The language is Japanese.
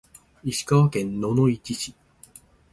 石川県野々市市